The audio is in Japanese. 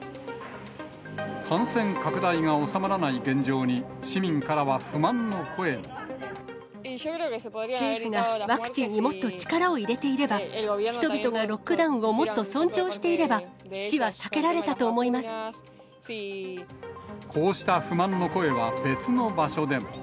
感染拡大が収まらない現状に、政府がワクチンにもっと力を入れていれば、人々がロックダウンをもっと尊重していれば、死は避けられたと思こうした不満の声は別の場所でも。